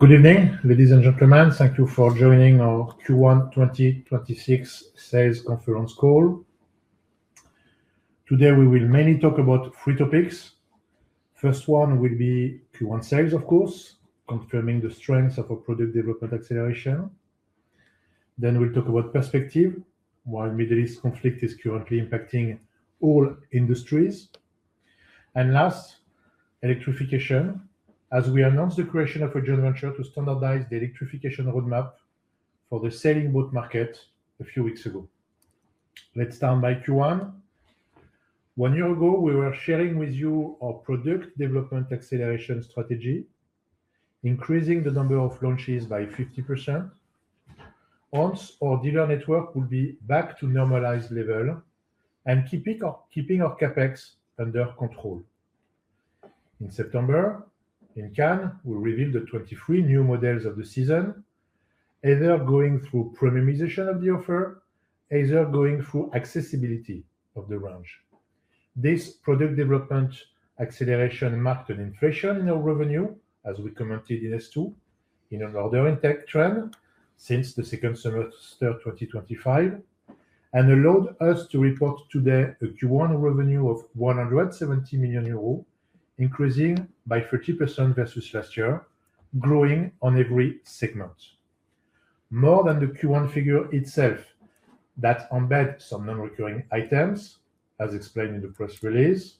Good evening, ladies and gentlemen. Thank you for joining our Q1 2026 sales conference call. Today, we will mainly talk about three topics. First one will be Q1 sales, of course, confirming the strength of our product development acceleration. We'll talk about perspective, while Middle East conflict is currently impacting all industries. Last, electrification, as we announced the creation of a joint venture to standardize the electrification roadmap for the sailing boat market a few weeks ago. Let's start by Q1. One year ago, we were sharing with you our product development acceleration strategy, increasing the number of launches by 50%. Once our dealer network will be back to normalized level and keeping our CapEx under control. In September, in Cannes, we revealed the 23 new models of the season, either going through premiumization of the offer, either going through accessibility of the range. This product development acceleration marked an inflation in our revenue, as we commented in S2, in an order intake trend since the second semester 2025, allowed us to report today a Q1 revenue of 170 million euros, increasing by 30% versus last year, growing on every segment. More than the Q1 figure itself that embed some non-recurring items as explained in the press release.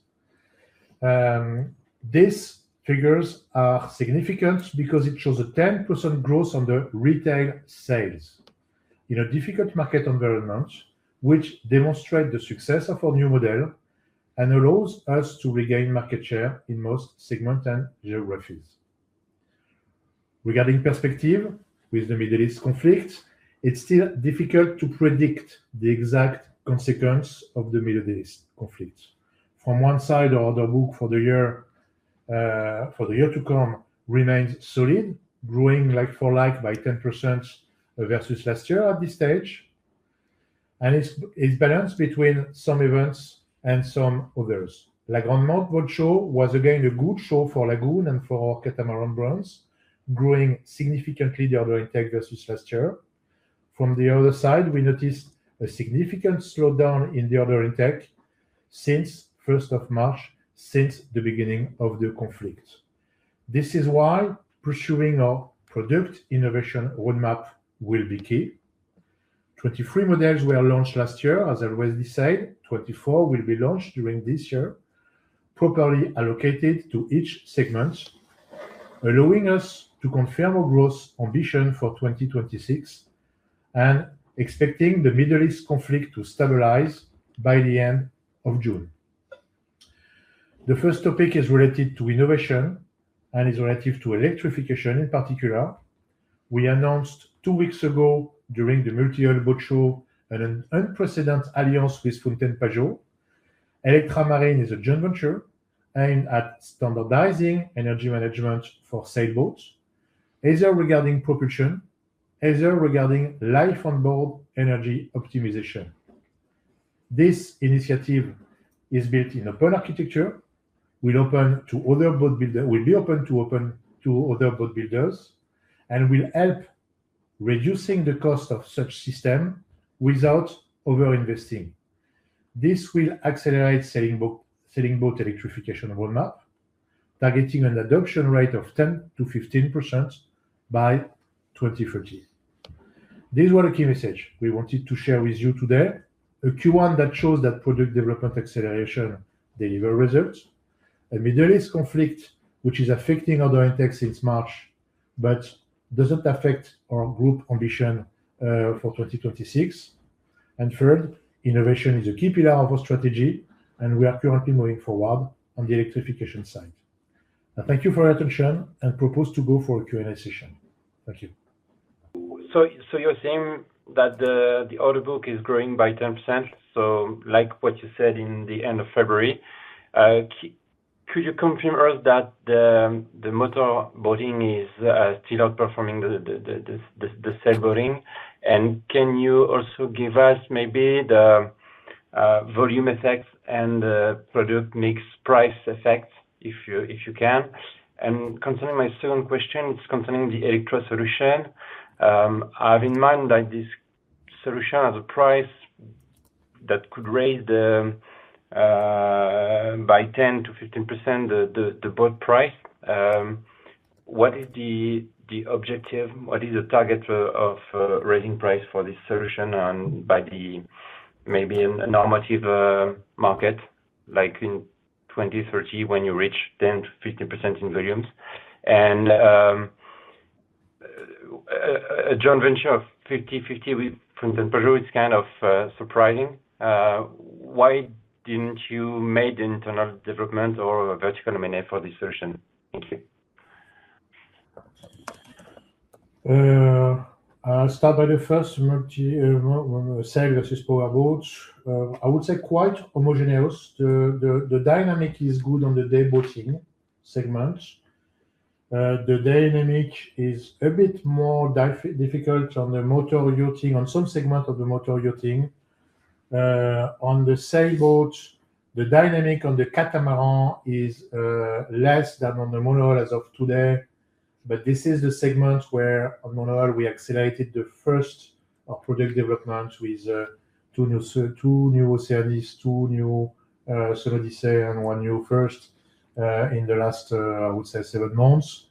These figures are significant because it shows a 10% growth on the retail sales in a difficult market environment, which demonstrate the success of our new model and allows us to regain market share in most segment and geographies. Regarding perspective with the Middle East conflict, it's still difficult to predict the exact consequence of the Middle East conflict. From one side, the order book for the year to come remains solid, growing like for like by 10% versus last year at this stage. It's balanced between some events and some others. La Grande-Motte boat show was again a good show for Lagoon and for catamaran brands, growing significantly the order intake versus last year. From the other side, we noticed a significant slowdown in the order intake since 1st of March, since the beginning of the conflict. This is why pursuing our product innovation roadmap will be key. 23 models were launched last year. As I always decide, 24 will be launched during this year, properly allocated to each segment, allowing us to confirm our growth ambition for 2026 and expecting the Middle East conflict to stabilize by the end of June. The first topic is related to innovation and is relative to electrification in particular. We announced 2 weeks ago during the multihull boat show at an unprecedented alliance with Fountaine Pajot. E-LEKTRA MARINE is a joint venture aimed at standardizing energy management for sailboats, either regarding propulsion, either regarding life on board energy optimization. This initiative is built in open architecture, will be open to other boat builders, will help reducing the cost of such system without over-investing. This will accelerate sailing boat electrification roadmap, targeting an adoption rate of 10%-15% by 2030. These were the key message we wanted to share with you today. A Q1 that shows that product development acceleration deliver results. A Middle East conflict, which is affecting order intake since March, doesn't affect our group ambition for 2026. Third, innovation is a key pillar of our strategy, and we are currently moving forward on the electrification side. Thank you for your attention and propose to go for a Q&A session. Thank you. You're saying that the order book is growing by 10%, like what you said in the end of February. Could you confirm to us that the motorboating is still outperforming the sailboating? Can you also give us maybe the volume effects and the product mix price effects if you can? Concerning my second question, it's concerning the E-LEKTRA solution. I have in mind that this solution has a price that could raise by 10%-15% the boat price. What is the objective? What is the target of raising price for this solution and by the maybe a normative market like in 2030 when you reach 10%-15% in volumes? A joint venture of 50/50 with Fountaine Pajot is kind of surprising. Why didn't you made internal development or a vertical mini for this solution? Thank you. I'll start by the first multihull versus powerboats. Quite homogeneous. The dynamic is good on the dayboating segment. The dynamic is a bit more difficult on the motor yachting, on some segment of the motor yachting. On the sailboats, the dynamic on the catamaran is less than on the monohull as of today. This is the segment where on monohull, we accelerated the first of product development with two new Oceanis, two new Sun Odyssey, and one new First in the last seven months.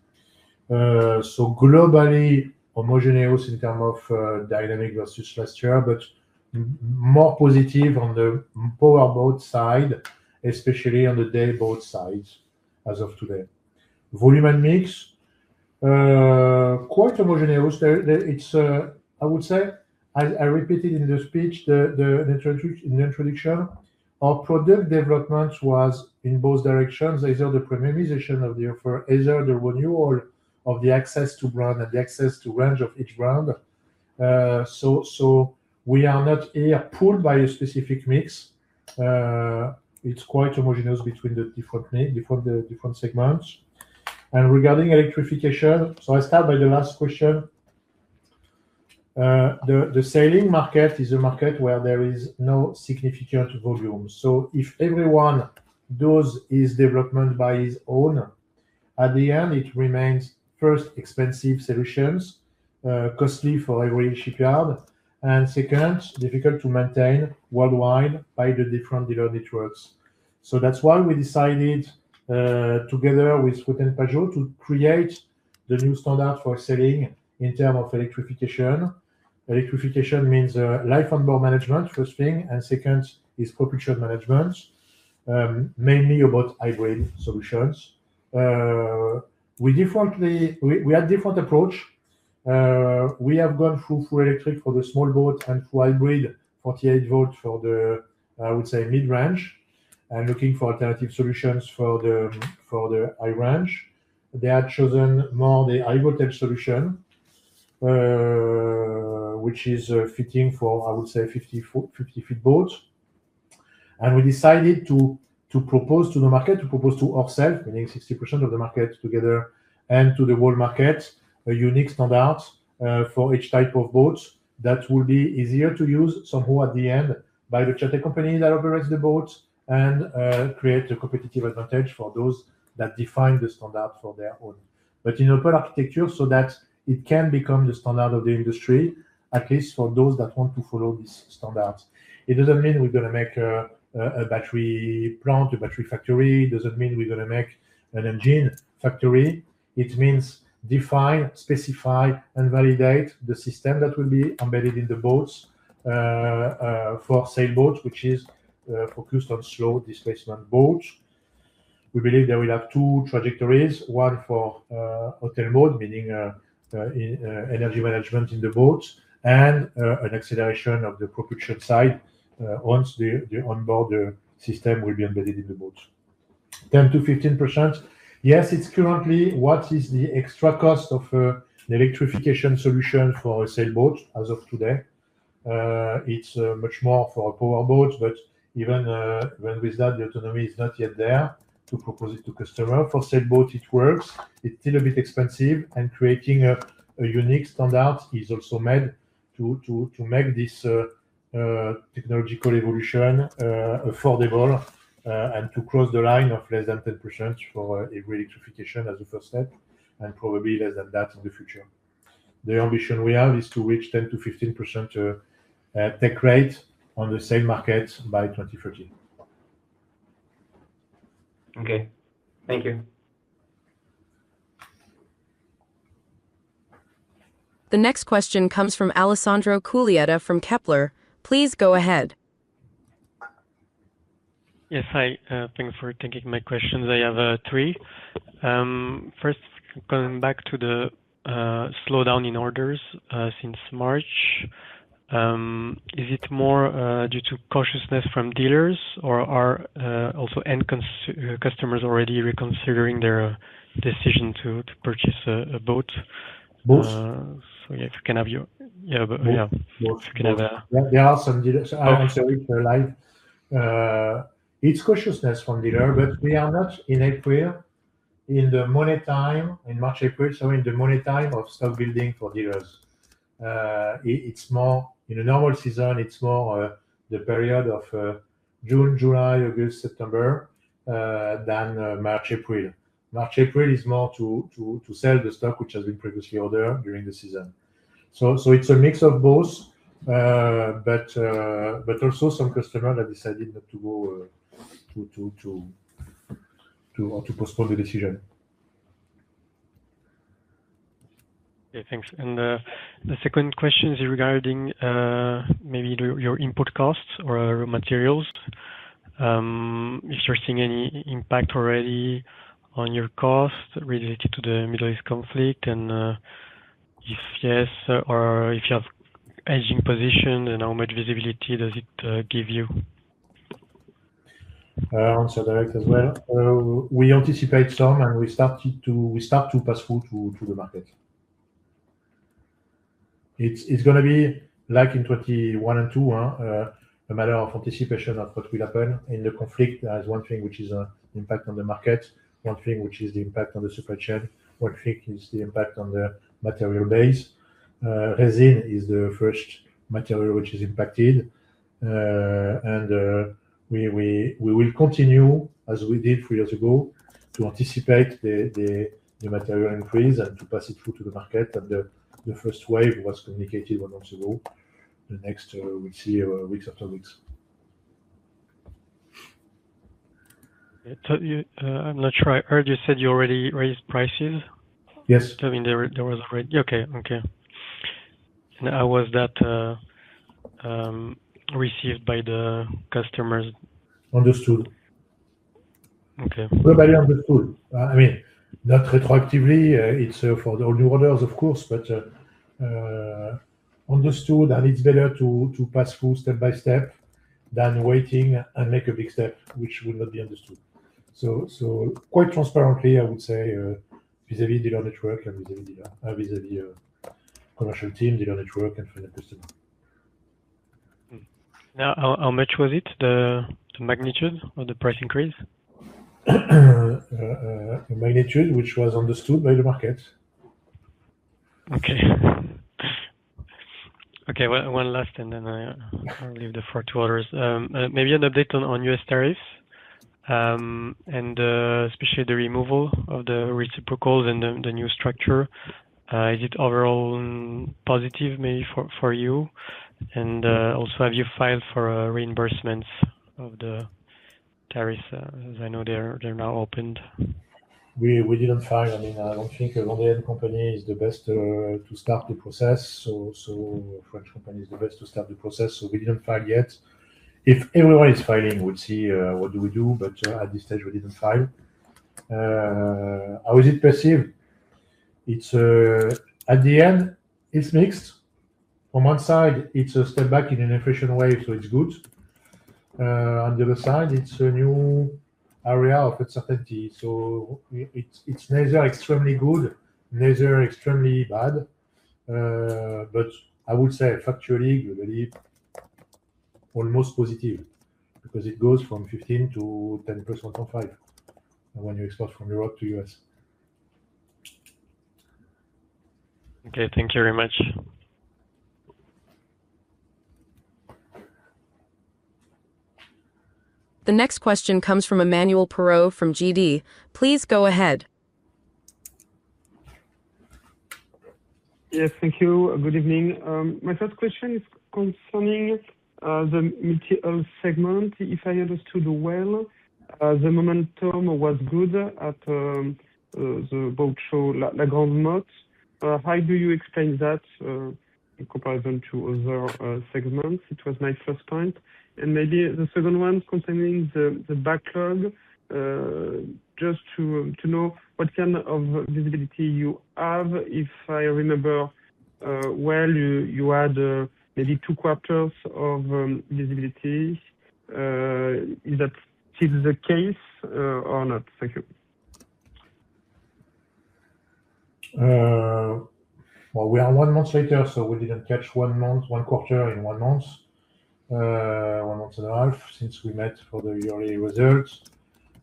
Globally homogeneous in term of dynamic versus last year, but more positive on the powerboat side, especially on the dayboat sides as of today. Volume and mix, quite homogeneous. I repeated in the speech, in the introduction, our product development was in both directions, either the premiumization of the offer, either the renewal of the access to brand and the access to range of each brand. We are not pulled by a specific mix. It's quite homogeneous between the different segments. Regarding electrification, I start by the last question. The sailing market is a market where there is no significant volume. If everyone does his development by his own, at the end, it remains first expensive solutions, costly for every shipyard, and second, difficult to maintain worldwide by the different dealer networks. That's why we decided, together with Fountaine Pajot, to create the new standard for sailing in term of electrification. Electrification means life on board management, first thing, and second is propulsion management. Mainly about hybrid solutions. We have different approach. We have gone full electric for the small boat and full hybrid 48 volt for the mid-range, and looking for alternative solutions for the high range. They have chosen more the high voltage solution, which is fitting for 50-foot boat. We decided to propose to the market, to propose to ourselves, meaning 60% of the market together and to the whole market, a unique standard for each type of boats that will be easier to use somehow at the end by the charter company that operates the boats and create a competitive advantage for those that define the standard for their own. In open architecture, that it can become the standard of the industry, at least for those that want to follow these standards. It doesn't mean we're going to make a battery plant, a battery factory. It doesn't mean we're going to make an engine factory. It means define, specify, and validate the system that will be embedded in the boats for sailboats, which is focused on slow displacement boats. We believe there will have two trajectories, one for hotel mode, meaning energy management in the boats, and an acceleration of the propulsion side once the onboard system will be embedded in the boats. 10%-15%. Yes, it's currently what is the extra cost of an electrification solution for a sailboat as of today. It's much more for powerboats, but even when with that, the autonomy is not yet there to propose it to customer. For sailboat, it works. Creating a unique standard is also made to make this technological evolution affordable and to cross the line of less than 10% for every electrification as a first step, and probably less than that in the future. The ambition we have is to reach 10%-15% take rate on the same market by 2030. Okay. Thank you. The next question comes from Alessandro Cuglietta from Kepler. Please go ahead. Yes, hi. Thanks for taking my questions. I have three. First, going back to the slowdown in orders since March. Is it more due to cautiousness from dealers, or are also end customers already reconsidering their decision to purchase a boat? Both. Yeah, if you can have. Both. Yeah, yeah. Both. If you can have. There are some dealers. I will answer with your line. It's cautiousness from dealer, but we are not in April, in the money time in March, April, so in the money time of stock building for dealers. In a normal season, it's more the period of June, July, August, September, than March, April. March, April is more to sell the stock, which has been previously ordered during the season. It's a mix of both. Also some customer that decided not to go or to postpone the decision. Yeah, thanks. The second question is regarding maybe your input costs or materials. If you're seeing any impact already on your cost related to the Middle East conflict, and if yes, or if you have hedging position and how much visibility does it give you? I'll answer direct as well. We anticipate some, we start to pass through to the market. It's going to be like in 2021 and 2022, a matter of anticipation of what will happen in the conflict as one thing, which is impact on the market. One thing, which is the impact on the supply chain. One thing is the impact on the multihull base. Resin is the first material which is impacted. We will continue, as we did three years ago, to anticipate the material increase and to pass it through to the market. The first wave was communicated one month ago. The next we see weeks after weeks. I'm not sure I heard you said you already raised prices? Yes. Okay. How was that received by the customers? Understood. Okay. Everybody understood. Not retroactively. It is for the new orders, of course, but understood, and it is better to pass through step by step than waiting and make a big step, which would not be understood. Quite transparently, I would say, vis-a-vis dealer network and vis-a-vis commercial team, dealer network and final customer. How much was it, the magnitude of the price increase? A magnitude which was understood by the market. Okay. One last. Then I will leave the floor to others. Maybe an update on U.S. tariffs, and especially the removal of the reciprocals and the new structure. Is it overall positive maybe for you? Also, have you filed for reimbursements of the tariffs? As I know they are now opened. We didn't file. I don't think a Vendée company is the best to start the process. French company is the best to start the process, so we didn't file yet. If everyone is filing, we'll see what do we do. At this stage, we didn't file. How is it perceived? At the end, it's mixed. From one side, it's a step back in an inflation wave, so it's good. On the other side, it's a new area of uncertainty. It's neither extremely good, neither extremely bad. I would say factually, globally, almost positive because it goes from 15% to 10% on five when you export from Europe to U.S. Okay. Thank you very much. The next question comes from Emmanuel Perrot from GD. Please go ahead. Yes. Thank you. Good evening. My first question is concerning the multihull segment. If I understood well, the momentum was good at the boat show, La Grande-Motte. How do you explain that in comparison to other segments? It was my first point. Maybe the second one concerning the backlog, just to know what kind of visibility you have. If I remember well, you had maybe two quarters of visibility. Is that still the case or not? Thank you. Well, we are one month later, so we didn't catch one quarter in one month, one month and a half since we met for the yearly results.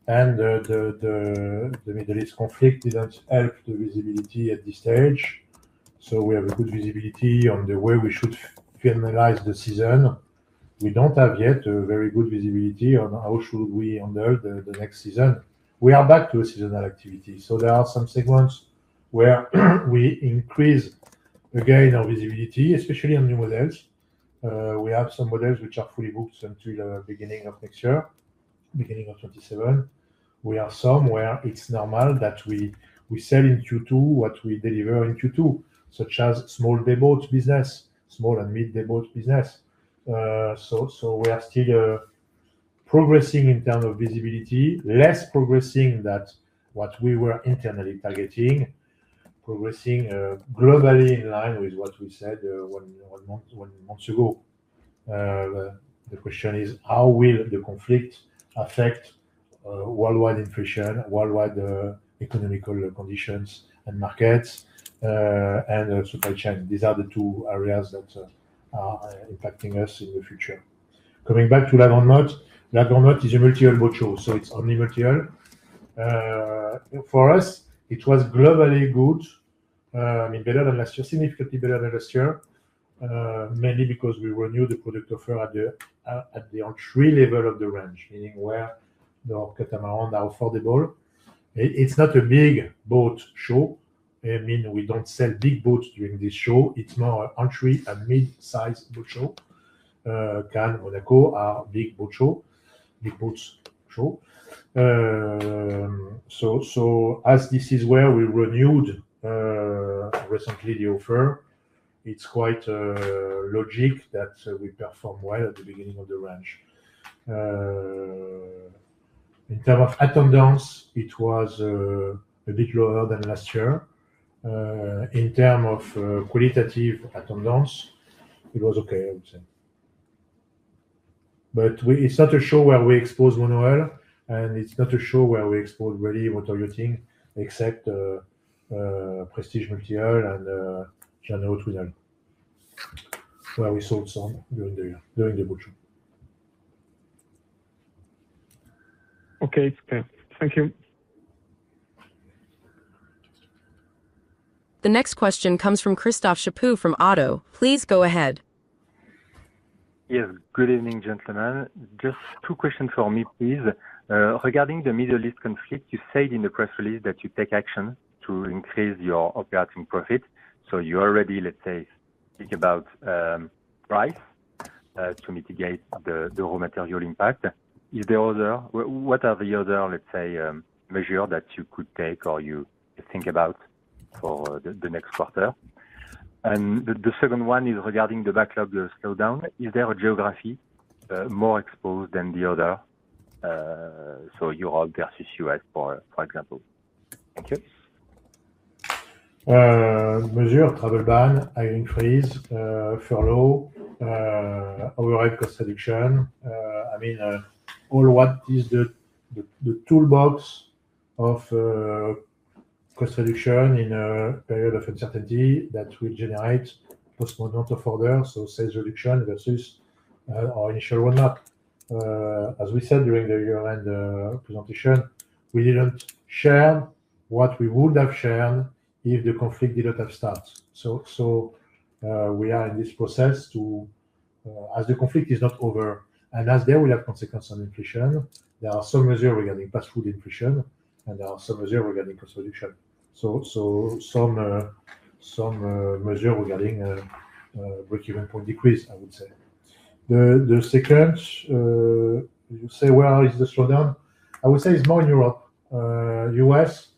The Middle East conflict didn't help the visibility at this stage. We have a good visibility on the way we should finalize the season. We don't have yet a very good visibility on how should we handle the next season. We are back to a seasonal activity. There are some segments where we increase again our visibility, especially on new models. We have some models which are fully booked until the beginning of next year, beginning of 2027. We have some where it's normal that we sell in Q2 what we deliver in Q2, such as small day boats business, small and mid day boats business. We are still progressing in terms of visibility, less progressing than what we were internally targeting, progressing globally in line with what we said one month ago. The question is how will the conflict affect worldwide inflation, worldwide economic conditions and markets, and supply chain? These are the two areas that are impacting us in the future. Coming back to La Grande-Motte. La Grande-Motte is a multihull boat show, so it's only multihull. For us, it was globally good. Significantly better than last year, mainly because we renew the product offer at the entry level of the range, meaning where the catamarans are affordable. It's not a big boat show. We don't sell big boats during this show. It's more an entry and mid-size boat show. Cannes, Monaco are big boat shows. As this is where we renewed recently the offer, it's quite logical that we perform well at the beginning of the range. In terms of attendance, it was a bit lower than last year. In terms of qualitative attendance, it was okay, I would say. It's not a show where we expose monohull, and it's not a show where we expose really motor yachting except Prestige multihull and Jeanneau Twin Hull, where we sold some during the boat show. Okay. Thank you. The next question comes from Christophe Chaput from Oddo. Please go ahead. Yes. Good evening, gentlemen. Just two questions from me, please. Regarding the Middle East conflict, you said in the press release that you take action to increase your operating profit. You already, let's say, think about price to mitigate the raw multihull impact. What are the other, let's say, measures that you could take or you think about for the next quarter? The second one is regarding the backlog slowdown. Is there a geography more exposed than the other? Your for example. Thank you. Measures travel ban, hiring freeze, furlough, overhead cost reduction. I mean, all what is the toolbox of cost reduction in a period of uncertainty that will generate postponement of orders. Sales reduction versus our initial roadmap. As we said during the year-end presentation, we didn't share what we would have shared if the conflict didn't have start. We are in this process to as the conflict is not over and as there will have consequences on inflation, there are some measures regarding pass-through inflation and there are some measures regarding cost reduction. Some measures regarding break-even point decrease, I would say. The second, you say where is the slowdown? I would say it's more in Europe. U.S.,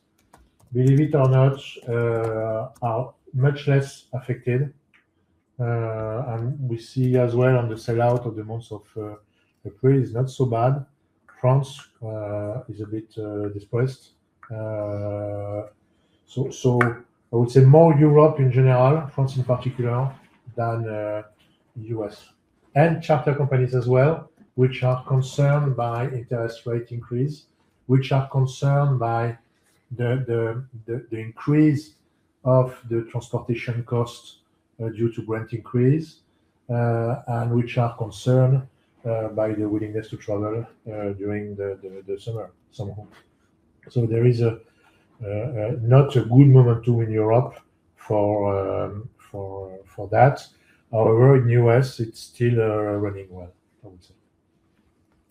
believe it or not, are much less affected. We see as well on the sell-out of the months of April is not so bad. France is a bit displaced. I would say more Europe in general, France in particular, than U.S. Charter companies as well, which are concerned by interest rate increase, which are concerned by the increase of the transportation cost due to rent increase, and which are concerned by the willingness to travel during the summer somehow. There is not a good moment to win Europe for that. However, in U.S. it's still running well, I would say.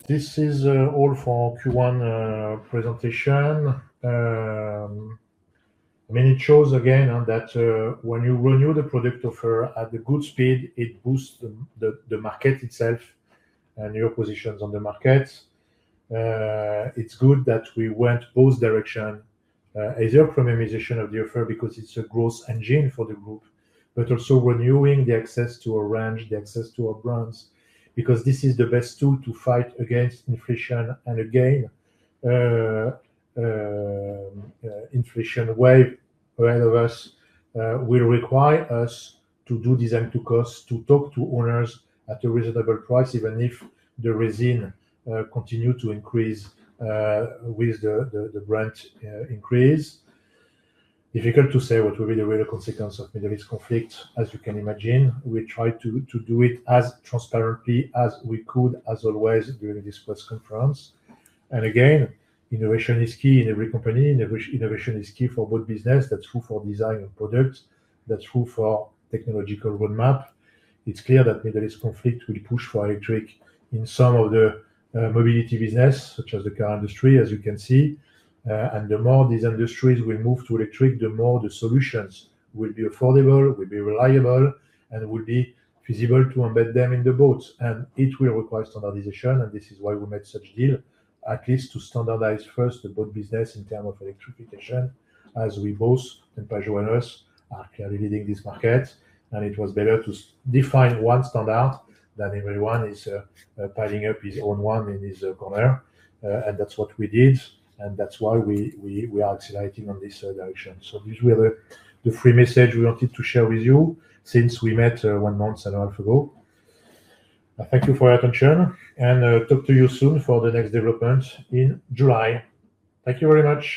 This is all for Q1 presentation. I mean, it shows again on that when you renew the product offer at the good speed, it boosts the market itself and your positions on the market. It's good that we went both direction either from a premiumization of the offer because it's a growth engine for the group. Also renewing the access to our range, the access to our brands, because this is the best tool to fight against inflation. Again, inflation wave around of us will require us to do design to cost, to talk to owners at a reasonable price, even if the resin continue to increase with the branch increase. Difficult to say what will be the real consequence of Middle East conflict. As you can imagine, we try to do it as transparently as we could as always during this press conference. Again, innovation is key in every company. Innovation is key for boat business. That's true for design of products. That's true for technological roadmap. It's clear that Middle East conflict will push for electric in some of the mobility business, such as the car industry as you can see. The more these industries will move to electric, the more the solutions will be affordable, will be reliable, and will be feasible to embed them in the boats. It will require standardization and this is why we made such deal, at least to standardize first the boat business in term of electrification, as we both and Pajot and us are clearly leading this market. It was better to define one standard than everyone is piling up his own one in his corner. That's what we did and that's why we are accelerating on this direction. These were the three message we wanted to share with you since we met one month and a half ago. Thank you for your attention and talk to you soon for the next development in July. Thank you very much